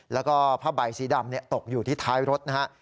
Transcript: แล้วก็ผ้าใบสีดำตกอยู่ที่ท้ายรถนะฮะ